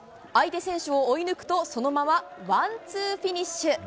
相手選手を追い抜くとそのままワンツーフィニッシュ。